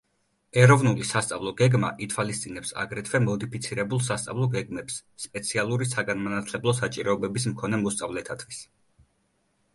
ეროვნული სასწავლო გეგმა ითვალისწინებს აგრეთვე მოდიფიცირებულ სასწავლო გეგმებს სპეციალური საგანმანათლებლო საჭიროებების მქონე მოსწავლეთათვის.